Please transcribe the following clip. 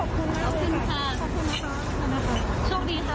ขอบคุณค่ะขอบคุณนะคะขอบคุณค่ะ